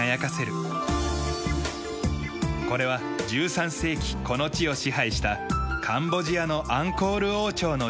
これは１３世紀この地を支配したカンボジアのアンコール王朝の寺院だ。